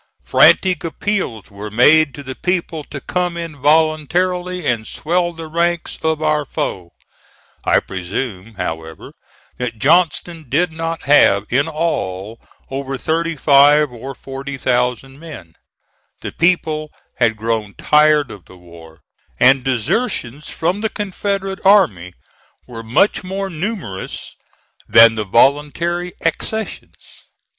Frantic appeals were made to the people to come in voluntarily and swell the ranks of our foe. I presume, however, that Johnston did not have in all over 35,000 or 40,000 men. The people had grown tired of the war, and desertions from the Confederate army were much more numerous than the voluntary accessions.